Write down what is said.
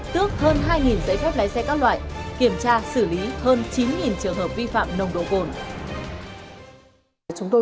tước hơn hai giấy phép lái xe các loại